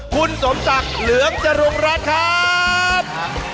คุณสมตักเหลืองจรุงรัตน์ครับ